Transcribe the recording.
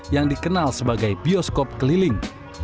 yang dikenal sebagai bioskop keliling